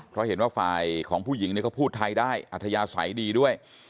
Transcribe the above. เพราะเห็นว่าฝ่ายของผู้หญิงเขาพูดไทยได้อัธยาศัยดีด้วย